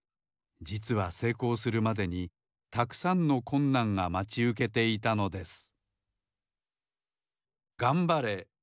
じつはせいこうするまでにたくさんのこんなんがまちうけていたのです